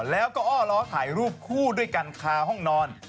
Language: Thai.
ลอร้อถ่ายรูปคู่ด้วยคาห้องนอน